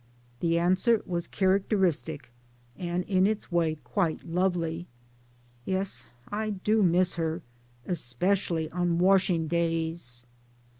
The answer was characteristic, and in its way quite lovely :" Yes, I do miss her especially on wash ing days!